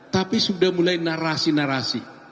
tapi sudah mulai narasi narasi